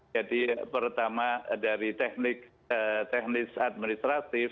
jadi pertama dari teknis administratif